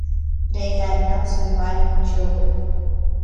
They had no surviving children.